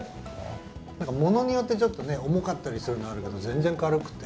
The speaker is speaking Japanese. ものによってちょっとね重かったりするのあるけど全然軽くて。